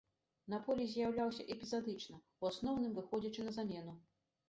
На полі з'яўляўся эпізадычна, у асноўным выходзячы на замену.